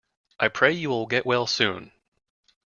I pray you will get well soon.